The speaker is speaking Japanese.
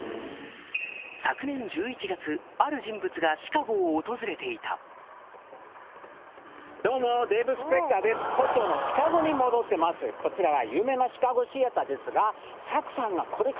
昨年１１月ある人物がシカゴを訪れていたこちらは。